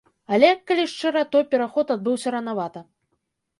Але, калі шчыра, той пераход адбыўся ранавата.